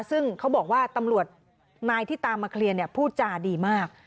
ซึ่งเขาบอกว่าตำรวจนายที่ตามมาเคลียร์พูดจาดีมาก